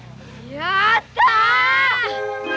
やった！